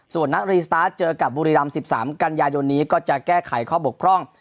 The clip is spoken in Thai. ส่วนนักรีสตาร์ทเจอกับบุรีรำ๑๓กันยายนนี้ก็จะแก้ไขข้อบกพร่อง